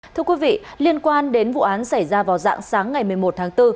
thưa quý vị liên quan đến vụ án xảy ra vào dạng sáng ngày một mươi một tháng bốn